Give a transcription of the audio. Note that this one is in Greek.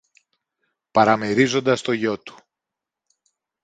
παραμερίζοντας το γιο του.